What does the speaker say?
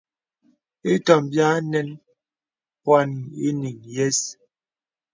Ìtòm bì ànɛn bpɔnì ìyìŋ yə̀s.